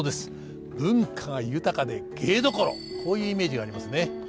文化が豊かで芸どころこういうイメージがありますね。